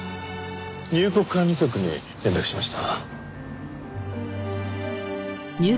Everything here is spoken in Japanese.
入国管理局に連絡しました。